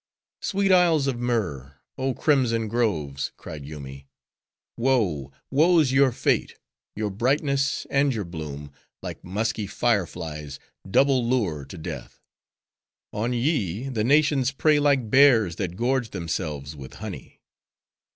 "Sweet isles of myrh! oh crimson groves," cried Yoomy. "Woe, woe's your fate! your brightness and your bloom, like musky fire flies, double lure to death! On ye, the nations prey like bears that gorge themselves with honey."